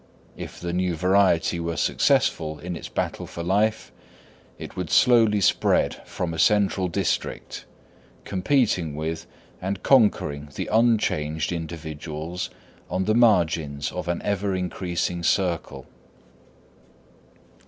If the new variety were successful in its battle for life, it would slowly spread from a central district, competing with and conquering the unchanged individuals on the margins of an ever increasing circle.